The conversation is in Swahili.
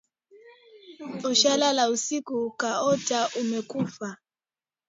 Ushalala usiku ukaota umekufa?